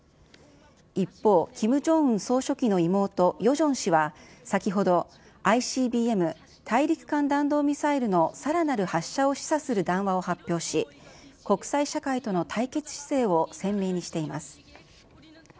一方、キム・ジョンウン総書記の妹、ヨジョン氏は先ほど、ＩＣＢＭ・大陸間弾道ミサイルのさらなる発射を示唆する談話を発表し、国際社会との対決姿勢を鮮明にしています。